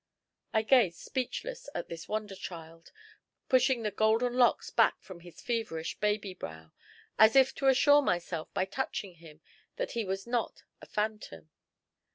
I gazed speechless at this wonder child, pushing the golden locks back from his feverish baby brow, as if to assure myself by touching him that he was not a phantom.